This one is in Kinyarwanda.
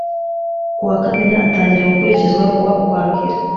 kuwa kamena , atangira gukurikizwa ku wa ukwakira